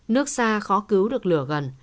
nước xa khó cứu được lửa gần